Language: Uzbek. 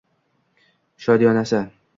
Shodiyonasi